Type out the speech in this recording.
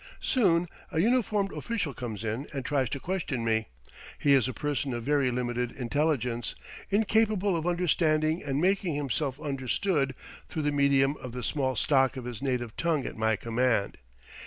Soon a uniformed official comes in and tries to question me. He is a person of very limited intelligence, incapable of understanding and making himself understood through the medium of the small stock of his native tongue at my command.